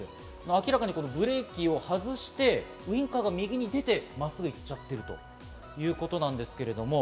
明らかにブレーキを外してウインカーが右に出てまっすぐ行っちゃっているということなんですけれども。